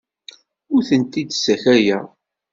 Ur tent-id-ssakayeɣ.